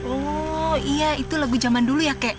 oh iya itu lagu zaman dulu ya kek